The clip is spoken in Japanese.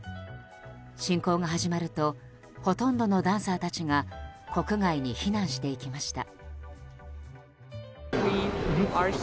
侵攻が始まるとほとんどのダンサーたちが国外に避難していきました。